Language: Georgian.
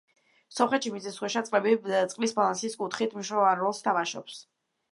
სომხეთში მიწისქვეშა წყლები წყლის ბალანსის კუთხით მნიშვნელოვან როლს თამაშობს.